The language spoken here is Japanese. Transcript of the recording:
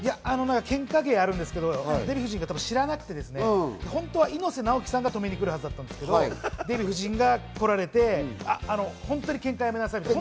けんか芸があるんですけど、デヴィ夫人が知らなくてですね、本当は猪瀬直樹さんが止めに来るはずだったんですけど、デヴィ夫人が来られて、本当にけんかはやめなさい！みたいな。